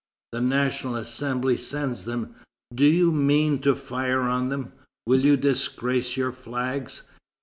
The National Assembly sends them. Do you mean to fire on them? Will you disgrace your flags?"